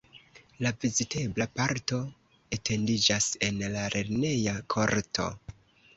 La vizitebla parto etendiĝas en la lerneja korto.